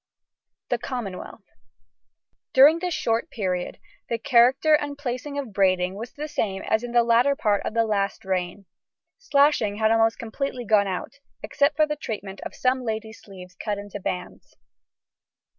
THE COMMONWEALTH. During this short period the character and placing of braiding was the same as in the latter part of last reign; slashing had almost completely gone out, except for the treatment of some ladies' sleeves cut into bands.